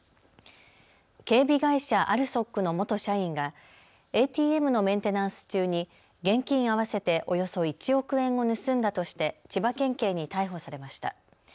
警備会社、ＡＬＳＯＫの元社員がＡＴＭのメンテナンス中に現金合わせておよそ１億円を盗んだとして千葉県警に逮捕されました。